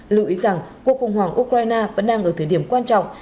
lưu ý rằng cuộc khủng hoảng ukraine vẫn đang ở thời điểm quan trọng